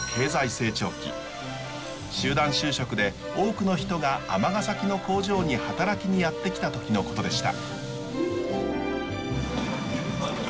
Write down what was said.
集団就職で多くの人が尼崎の工場に働きにやって来た時のことでした。